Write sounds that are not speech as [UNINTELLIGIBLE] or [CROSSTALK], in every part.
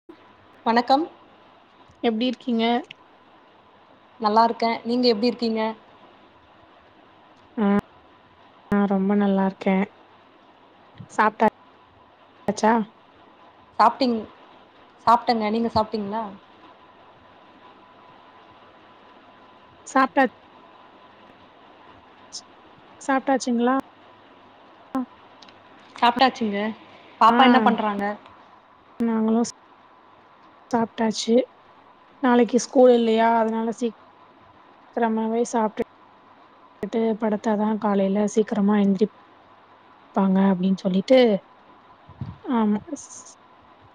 [UNINTELLIGIBLE] வணக்கம் எப்டி இர்க்கீங்க நல்லாருக்க நீங்க எப்டி இர்க்கீங்க ஆ ரொம்ப நல்லா இர்க்கே சாப்ட்டா சா சாப்ட்டீங் சாப்டங்க நீங்க சாப்டீங்ளா சாப்ட்டா சாப்ட்டாச்சுங்ளா சாப்ட்டாச்சுங்க பாப்பா ஆ என்ன பண்றாங்க நாங்களு ஸ் சாப்ட்டாச்சி நாளக்கி ஸ்கூல் இல்லயா அதுனால சீக் க்ரமாவே சாப்ட்டு விட்டு படத்தாதா காலைல சீக்கரமா எந்த்ரிப் பாங்க அப்டின் சொல்லிட்டு ஆமா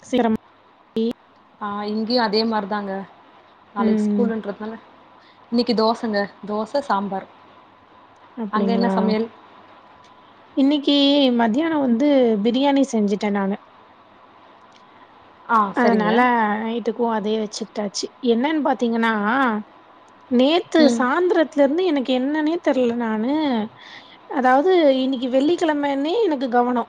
[UNINTELLIGIBLE] ஆ இங்யு அதே மார் தாங்க நாளைக்கு ம் ஸ்கூலுன்றத்னால இன்னிக்கு தோசங்க தோச சாம்பார் அங்க அப்புடிங்ளா என்ன சமையல்? இன்னிக்கி மத்யான வந்து பிரியாணி செஞ்சுட்ட நானு ஆ சரிங்க. அதனால நைட்டுக்கு அதே வெச்சுக்ட்டாச்சு என்னன் பாத்தீங்கன்னா நேத்து ம். சாந்ரத்துலேர்ந்து எனக்கு என்னனே தெர்ல நானு அதாவ்து இன்னிக்கு வெள்ளிக்கிழமன்னே எனக்கு கவனோ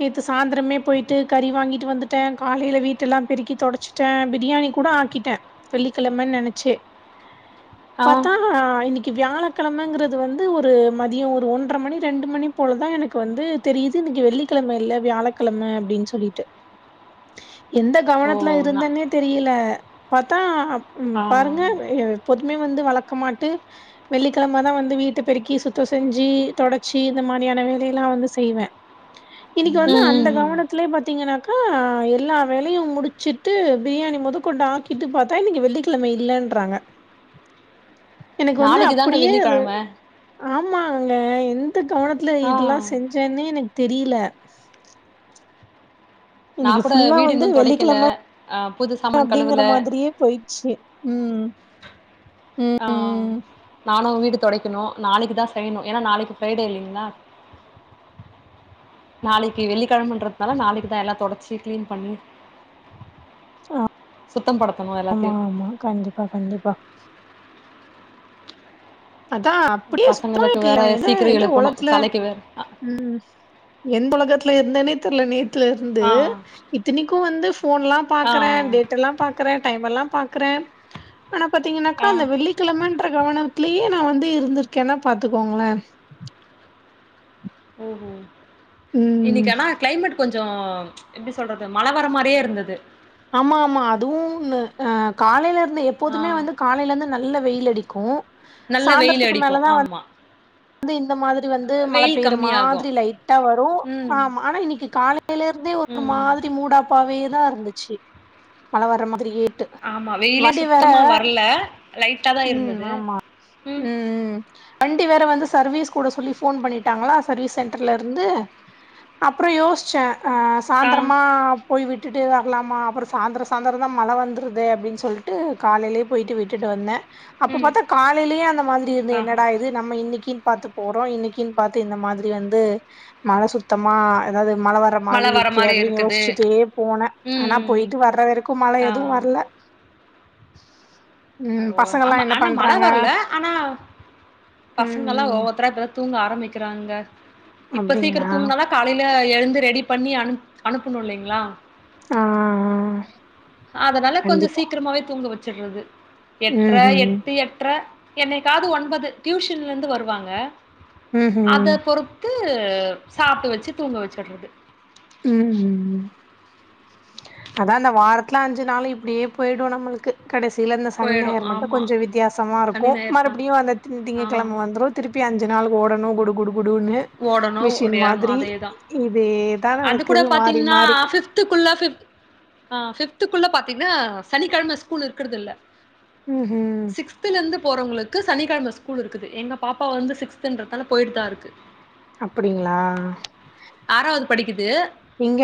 நேத்து சாந்ரமே பொய்ட்டு கறி வாங்கிட்டு வந்துட்ட காலல வீட்டு எல்லா பெருக்கி தொடச்சிட்ட பிரியாணி கூட ஆக்கிட்ட வெள்ளிக்கிழமன் நெனச்சே ஆ பத்தா இன்னிகி கி வியாழக்கெழமங்கிறது வந்து ஒரு மதியோ ஒரு ஒன்ற மணி ரெண்டு மணிப் போலதா எனக்கு வந்துத் தெரியிது இன்னைக்கு வெள்ளிக்கெழம இல்ல வியாழக்கெழம அப்டின் சொல்லிட்டு எந்த ஓ! கவனத்ல நா இருந்தன்னே தெரியில பாத்தா க் ஆ பாருங்க எப்போதுமே வந்து வளக்க மாட்டு வெள்ளிக்கெழமதா வந்து வீட்டப் பெருக்கி சுத்தோ செஞ்சி தொடச்சி இந்த மானியான வேலயெல்லா வந்து செய்வே இன்னைக்கு வந்து ம், அந்த ம், ம். கவனத்லே பாத்தீங்கினாக்கா ஆ எல்லா வேலையும் முடிச்சிட்டு பிரியாணி மொதக் கொண்டு ஆக்கிட்டு பாத்தா இன்னைக்கி வெள்ளிக்கெழம இல்லன்றாங்க எனக்கு வந்து நாளைக்கு தாங்க அப்டியே அது வெள்ளிக்கிழம. ஆமாங்க எந்த கவனத்ல ஆ இதுலா செஞ்சேன்னே எனக் தெரியில நான் இன்னைக்கி கூட ஃபுல்லா வீடு வந்து இன்னும் தொடைக்கல. வெள்ளிக்கெழம அ புது சாமான் கழுவல. அப்டிங்கிற மாதிரியேப் போயிட்ச்சே ம் ஆ ம் நானு வீடு தொடைக்கிணு நாளைக்குதா செய்யணு எனா நாளைக்கு ஃப்ரைடே இல்லிங்ளா நாளைக்கி வெள்ளிக்கெழமன்றத்னால நாளைக்கிதா எல்லாத் தொடச்சி கிளீன் பண்ணி சுத்தம் படுத்தணு ஆமா எல்லாத்தையு ஆமா கண்டிப்பா கண்டிப்பா அதா அப்புடியே சுத்தமா பசங்களுக்கு இருக்கு வேற நா எந்த சீக்கிரோ எந்த எழுப்பணு ஒலகத்ல தலைக்கு வேற ம் எந்து ஒலகத்ல இருந்தனேத் தெர்ல நேத் துலருந்து ஆ இத்தினிக்கு வந்து ஃபோன்லாம் ஆ ஆ பாக்கறே டேட்டெல்லாம் பாக் றே டைமெல்லாம் பாக்றே ஆனாப் பாத்தீங்கினாக்கா ஆ அந்த வெள்ளிக்கெழமன்ற கவனம் ட்லியே நா வந்து இருந்துருக்கேன்னாப் பாத்துகோங்ளே ஓஹோ ம் இன்னிகு ஆனா கிளைமேட்டு கொஞ்சோ எப்டி சொல்றது மழ வர மாரியே இருந்தது ஆமா ஆமா அதுவு ஒன்னு அ காலைலருந்தே ஆ எப்போதுமே வந்துக் காலைலந்து நல்ல வெயிலடிக்கு நல்ல வெயில் சாந்தரதுக்கு அடிக்கு மேலதா வந் ஆமா து இந்த மாதிரி வந்து மழப் வெயில் பெய்ற கம்மியாகு மாதிரி லைட்டா வரு ம் ஆம்மா ஆனா இன்னைக்கி காலை லைலருந்தே ஒரு ம் மாதிரி மூடாப்பாவேதா இருந்துச்சி மழ வர மாதிரியேர்ட்டு ஆமா வெயிலே சுத்தமா வரல லைட்டாதா ம் இருந்தது ஆமா ம் வண்டி வேற வந்து சர்வீஸ்குட சொல்லி ஃபோன் பண்ணிட்டாங்ளா சர்வீஸ் சென்ட்டர்லருந்து அப்றோ யோச்சே அ ஆ சாந்திரமா போய் விட்டுட் டு வர்லாமா அப்பறோ சாந்தர சாந்தரதாம் மழ வந்துருதே அப்டின் சொல்ட்டு காலைலியேப் போயிட்டு விட்டுட்டு வந்தே அப்ப ம் பாத்தாக் காலைலியே அந்த மாதிரி இருந்து ஆஹா என்னடா இதுக் நம்ம இன்னிக்கின் பாத்துப் போறோ இன்னிக்கின் பாத்து இந்த மாதிரி வந்து மழ சுத்தமா எதாவ்து மழ வர மழை மாதிரி இருக்கே மாரி அப்டின் இருக்குது. யோச்சுட்டே போனே ம் ஆனாப் ம். போயிட்டு வர்ற வரைக்கும் மழ ஆ. எதுவு வர்ல ம் ஓ! பசங்கல்லா ஆமா என்ன ஆனா மழ பண்றாங்க வரல ஆனா பசங்கள்லா ம் ஓவர் தரா இப்பதா தூங்க ஆரம்பிக்கிறாங்க இப்ப அப்டிங்களா சீக்கிரோத் தூங்னாதாப் காலைல எழுந்து ரெடிப் பண்ணி அனுப் அனுப்புனு இல்லிங்ளா ஆ ஆ ஆ அதனாலக் கொஞ்சோ சீக்ரமாவேத் தூங்க வெச்சிட்றது எட்ர ம் ம் எட்டு எட்ர என்னைக்காவது ஒன்பது டியூஷன்லந்து வருவாங்க ம் அதப் பொறுத்து சாப்ட வெச்சு தூங்க வெச்சிட்றது ம் ம் ம் அதா அந்த வாரத்ல அஞ்சு நாளு இப்டியேப் போய்டு நம்மளுக்கு கடசில அந்த சனி போயிடும். ஞாயர் மட்டு ஆமா. கொஞ்சோ வித்யாசமா சனி, இருக்கு ஞாயிறு தான். மறுபுடியு அந்தத் திங் ஆ. திங்கக்கெழம வந்துருத் திருப்பி அஞ்சு நாளுக்கு ஓடணு குடு குடு குடுன்னு ஓடணும், மிஷின் ஓடியாரணும். மாதிரி அதேதான். இதேத் நடக்குது மாறி மாறி ஃபிப்துகுள்ள ஃபிப்த் ஆ ஃபிப்துக்குள்ள பாத்தீங்னா சனிக்கெழம ஸ்கூல் இருக்குறதில்ல ம் ஹு த்துலந்து போறவங்களுக்கு சனி கெளம ஸ்கூல் இருக்குது எங்க பாப்பா வந்து சிக்ஸ்துன்றதால போயிட்டு தா இருக்கு அப்படிங்களா ஆறாவது படிக்குது இங்க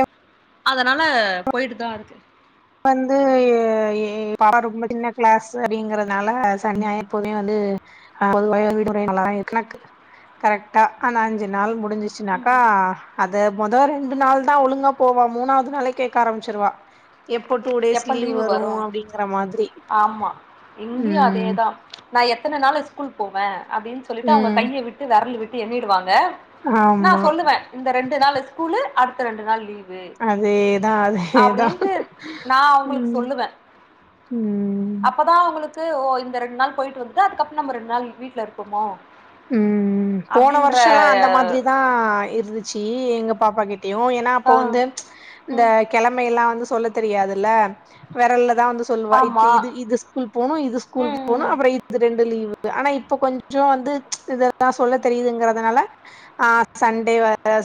அதனால போயிட்டு தா இருக்கு வந்து பாப்பா ரொம்ப சின்ன கிளாஸ் அப்படிங்கறதுனால சனி ஞாயிறு எப்போதுமே வந்து [INAUDIBLE] கணக் கரெக்டா ஆன அஞ்சு நாள் முடிஞ்சுச்சு னாக்கா ம்ஹ்ம். அது மொத ரெண்டு நாள் தா ஒழுங்கா போவா மூணாவது நாளே கேக்க ஆரம்பிச்சுருவா எப்போட்டு எப்ப லீவு வரு ஆமா இங்கயு ம் அதேதா நா எத்தன நாள் ஸ்கூல் போவே அப்டின்னு சொல்லிட்டு அவங்க ம் கைய விட்டு விரல விட்டு எண்ணிடுவாங்க நா ஆமா சொல்லுவே இந்த ரெண்டு நாள் ஸ்கூலு அடுத்த ரெண்டு நாள் லீவ் வு அதேதா அதேதா அப்டின்ட்டு நா அவுங்களுக்கு ம் சொல்லுவ ம் அப்ப நா அவுங்களுக்கு ஓ இந்த ரெண்டு நாள் போய்ட்டு வந்துட்டு அதுக்கப்பற நம்ம ரெண்டு நாள் வீட்ல இரு ப்புமோ உம் போன வருஷல்லா அந்த மாத்ரிதா இருந்துச் ச்சு எங்க பாப்பா கிட்டயு ஏன்னா ஆ அப்போ வந்து இந்த ம் கெழமயெல்லா வந்து சொல்ல தெரியாதுல்ல வெரல்லதா வந்து சொல்வா ஆமா இது இது இது ஸ்கூல் போனு இது ஸ்கூல் ம் போனு ம் அப்றொ இது இது ரெண்டு லீவு ஆனா இப்ப கொஞ்ச வந்து இதெல்லா சொல்ல தெரியுதுங்கறதுனால ஆ சண்டே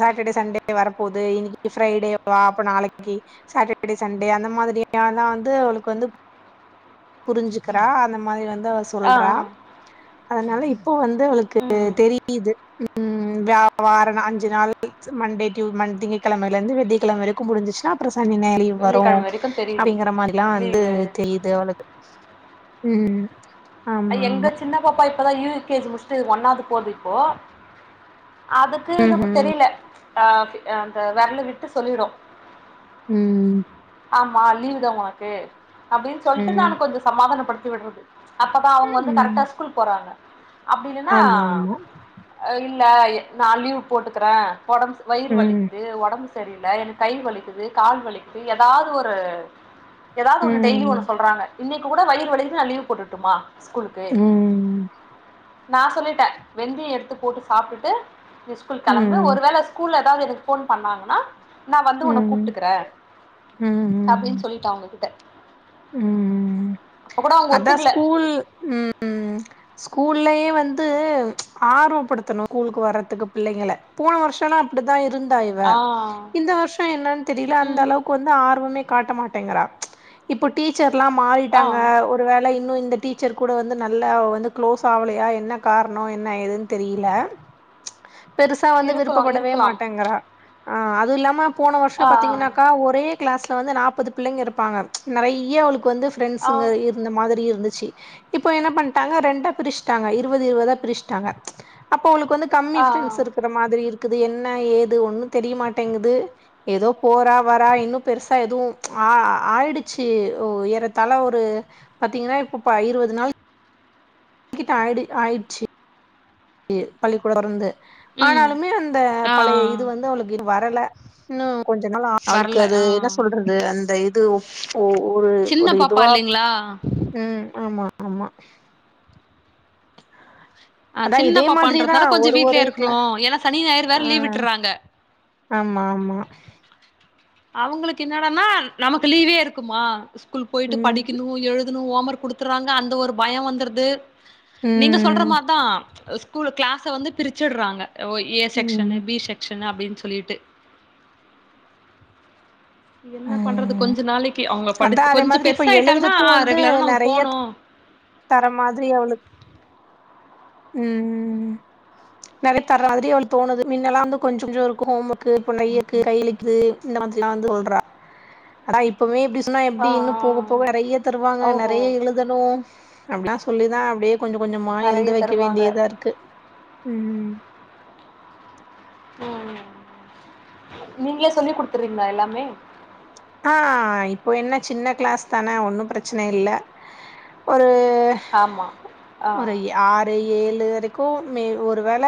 சாட்டர்டே சண்டே வரப்பகுது இன்னக்கி ஃரைடேவா அப்ப நாளக்கி சாட்டர்டே சண்டே அந்த மாதிரியல்லா வந்து அவளுக்கு வந்து புரிஞ்சுக்கிறா அந்த மாரி வந்து அவ ஆ ஆ சொல்றா அதனால இப்போ வந்து அவளுக்கு ம் ம் தெரிய தெரியுது ம் வியா வார அஞ்சு நாள் னு மண்டே திங்க்கெழமைலருந்து வெள்ளிக்கெழமவரைக்கு முடிஞ்சிச்சுன்னா அப்புற சனி ஞாயிறு லீவ் வரு வெள்ளிக்கெழம வரைக்கு தெரியுது அப்டிங்கிற மாரி லா வந்து லீவு தெரியுது அவளுக்கு உம் எங்க சின்ன பாப்பா இப்பதா யூகேஜி முடிச்சுட்டு ஒண்ணாது போது இப்போ அதுக்கு இன்னு ம் தெரியல ஆ அந்த வெரல விட்டு சொல்லிரு உம் ஆமா லீவ் தா ஒனக்கு அப்டின் ம் சொல்ட்டு நா ம் கொஞ்ச சமாதானப்படுத்தி விட்றது அப்பதா அவங்க வந்து ம் கரெட்டா ஸ்கூல் போறாங்க அப்டி இல்லன்னா ஆமா ஆமா இல்ல நா லீவ் போட்டுக்குறே ஒடம்பு வயிறு ம் வலிக்குது ஒடம்பு சரியில எனக்கு கை வலிக்குது கால் வலிக்குது ஏதாவது ஒரு ஏதாவது ஒன்னு டெய்லி ம் ஒன்னு சொல்றாங்க இன்னக்கி கூட வயிறு வலிக்குது நா லீவ் போட்ரட்டுமா ஸ்கூல்க்கு ம் நா சொல்லிட்டே வெந்தயொ எடுத்து போட்டு சாப்டுட்டு நீ ஸ்கூல் கெளம்பு ம் ஒரு வேள ஸ்கூல்ல ஏதாவது எனக்கு போன் பண்ணாங்கன்னா நா வந்து உன்ன ம் ம் கூப்ட்டுக்குறே அப்டின்னு சொல்லிட்டா அவங்ககிட்ட உம் அதா ஒத்துக்கல ஸ்கூல் உம் ஸ்கூல்லயே வந்து ஆர்வப்படுத்தணு ஸ்கூலுக்கு வர்ரதுக்கு பிள்ளைகள போன வருஷல்லா தா இருந்தா இவ ஆ இந்த வர்ஷொ என்னன் தெரியல அந்த ம் அளவுக் கு வந்து ஆர்வமே காட்ட மாட்டேங்கிறா இப்ப டீச்சர்லா ஆ மாறிட்டாங்க ஒரு வேல இன்னு இந்த டீச்சர் கூட வந்து நல்லா அவவந்து க்ளோஸ் ஆவலையா என்ன கார்ணோ என்ன ஏதுன் தெரியில பெருசா வந்து இருக்கலாம் விருப்பப்படவே இருக்கலாம் மாட்டேங்கிறா ஆ அதுவு இல்லாம போன வர்ஷ ஆ பாத்தீங்கன்னாக்கா ஒரே கிளாஸ்ல வந்து நாப்பது பிள்ளைங்க இருப்பாங்க நறைய அவளுக்கு வந்து ஆ ஃப்ரெண்ட்ஸுங்க இருந்த மாதிரி இருந்துச்சு இப்போ என்ன பண்ட்டாங்க ரெண்டா பிரிச்ட்டாங்க இருவது இருவதா பிரிச்ட்டாங்க அப்ப அவளுக்கு வந்து கம்மி ஆ ஃப்ரெண்ட்ஸ் இருக்கிற மாதிரி இருக்குது என்ன ஏது ஒண்ணு தெரியமாட்டேங்குது ஏதோ போறா வரா இன்னு பெருசா எதுவு ஆ ஆயிடுச் சு ஓ ஏறத்தால ஒரு பாத்தீங்கன்னா இப்ப ப இருவது நாள் கிட்ட ஆய்டு ஆயிச்சு பள்ளிக்கூட தொர்ந்து ம் ஆனாலுமே அந்த ஆ பழைய இது வந்து அவளுக்கு வரல இன்னு கொஞ்ச நாள் ஆக்கது வரல அது ஆ என்ன சொல்றது அந்த இது ஒ ஒரு சின்ன ஒரு பாப்பா இதுவா இல்லைங்களா ம் ஆமா ஆமா ஆ அதா சின்ன இதே மாதிரிதா பாப்பான்றதால கொஞ்ச ஒரு வீட்லே ஒரு இருக்கணு கிளா ஏனா சனி ஞாயிறு வேற லீவ் விட்டிற்றாங்க ஆமாம்மா அவுங்களுக்கு என்னடன்னா நமக்கு லீவே இருக்குமா ஸ்கூல் போயிட்டு ம் படிக்கிணு எழுதுணு ஓம் ஒர்க் குடுத்துற்றாங்க அந்த ஒரு பயம் வந்திர்து நீங்க சொல்ற ம் மார்தா ஸ்கூல் கிளாஸ் வந்து பிரிச்சிற்றாங்க ஓ ஏ ம் செக்ஷனு பி செக்ஷனு அப்டின் சொல்லிட்டு என்ன பண்றது ம் கொஞ்ச நாளைக்கி அவுங்க அதா படிச் அதே கொஞ்ச மாதிரி இப்ப பெருசா ஆயிட்டாங்கன்னா எழுதுறக்கு வந்து ரெகுலரா நம்ம நெறைய போணு தர மாதிரி அவுளுக் ம் நறைய தர மாதிரி அவளுக்கு தோணுது மின்னலா வந்து கொஞ்ச கொஞ்ச இருக்கு ஹோம் ஒர்க்கு இப்ப நையக்கு கைழுக்குது இந்த மாதிரில்லா வந்து சொல்றா ஆனா இப்பமே இப்டி சொன்னா ஆ எப்டி இன்னு போக போக நெறைய தருவாங்க ஆ ஓஹோ நறைய எழு தனு அப்டிலா சொல்லிதா அப்டியே கொஞ்ச கொஞ்சமா எழுது நெறைய வெக்க தருவாங்க வேண்டியதா கு ம் ம் நீங்ளே சொல்லி குட்த்துறீங்ளா எல்லாமே ஆ இப்போ என்ன சின்ன கிளாஸ் தான ஒன்னு பிரச்சன இல்ல ஒரு ஆமா ஆ ஒரு ஆறு ஏழு வரைக்கு மே ஒருவேள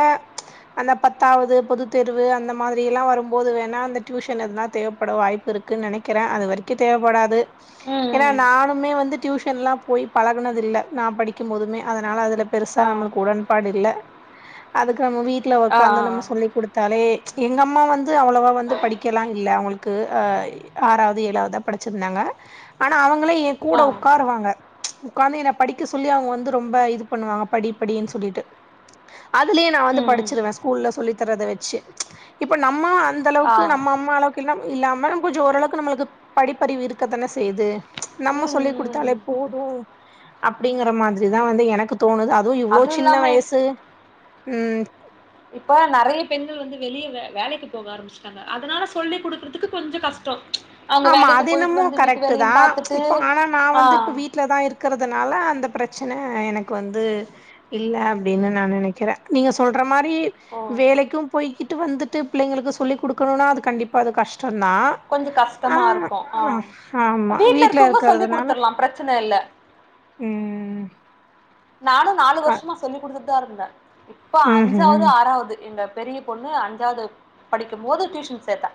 அந்த பத்தாவது பொதுத்தேர்வு அந்த மாதிரி எல்லா வரும்போது வேணா அந்த டியூஷன் எதுனா தேவப்பட வாய்ப்பு இருக்கு குன் நெனைக்கிறே அது வரைக்கு தேவ்ப்படாது ஏனா ம் ம் நானு னுமே வந்து டியூஷன்லா போய் பழக்கினதில்ல நா படிக்கம் போதுமே அதனால அதுல பெருசா ஆ நமளுக் உடன்பாடு இல்ல அதுக்கு நம்ம வீட்ல ஆ உக்காந்து நம்ம சொல்லிகுடுத் தாலே எங்க அம்மா வந்து அவ்வளவா வந்து படிக்கலா இல்ல அவுங்களுக்கு அ ஒரு ஆறாவ்து ஏழாவதா படிச்சிருந்தாங்க ஆனா அவங்களே எ ஆ கூட ஆ உக்காருவாங்க உக்காந்து என்ன படிக்க சொல்லி அவுங்க வந்து ரொம்ப இது பண்ணுவாங்க படி படின் சொல்லிட்டு அதுலே நா வந்து ம் ம் படிச்சிருவே ஸ்கூல்ல சொல்லி தர்த வெச்சு இப்ப நம்ம அந்த அந்த அளவுக்கு ஆ நம்ம அம்மா அளவுக்கிலா இல்லாம கொஞ்ச ஓரளவுக்கு நம்ளுக்கு படிப்பறிவு இருக்க தான செய்து நம்ம ம் சொல்லிக் ம் குட்த்தாலே போது அப்டிங்கற மாதிரிதா வந்து எனக்கு தோணுது அத் தோ இவ்ளோ அதுவு சின்ன இல்லாம இப் வயசு ம் இப்ப நறைய பெண்கள் வந்து வெளியே வே வேலைக்கு போக ஆரம்பிச்சு இருக்காங்க அதனால சொல்லி குடுக்கற்துக்கு கொஞ்ச கஷ்டோ அவங்க ஆமா வேலைக்கு அது போயிட்டு என்னமோ வந்து வீட்டு கரெக்டு வேலையு தா பாத்துட்டு இப்ப ஆனா நா ஆ வந்து இப்ப வீட் வீட்ல தா இருக்கிறதுனால அந்த பிரச்சன எனக்கு வந்து இல்ல அப்டின்னு நா நெனைக்கிறே நீங்க சொல்ற மாரி ஓ வேலைக்கும் போய்கிட் ட்டு வந்துட்டு பிள்ளைங்களுக்கு சொல்லி குடுக்குணுனா அது கண்டிப்பா அது கஷ்டந்தா கொஞ்ச கஷ்டமா இருக்கூ ஆ ஆமா வீட்ல இருக்கவுங்க சொல்லி இருக்கறதுனால குடுத்துர்லா பிரச்சன இல்ல ம் நானு நாலு அ வருஷமா சொல்லி் குடுத்துட்டுதா இருந்தே இப்ப அஞ்சாவ்து ம்ஹும் ஆறாவ்து எங்க பெரிய பொண்ணு அஞ்சாவ்து படிக்கும்போது டியூஷன் சேத்த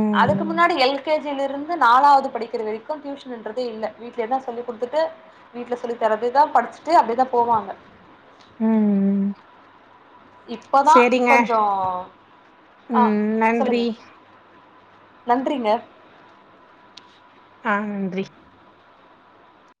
ம் அதுக்கு இதுக்கு ம் முன்னாடி எல் கே ஜில இருந்து நாலாவ்து படிக்கிற வரைக்கும் டியூஷனுன்றதே இல்ல வீட்லேதா சொல்லி குடுத்துட்டு வீட்ல சொல்லி தரதேதா படிச்சிட்டு அப்டே தா போவாங்க ம் இப்பதா சேரிங்க கொஞ்சோ ஆ ம் சொல்லுங்க நன்றி நன்றிங்க ஆ நன்றி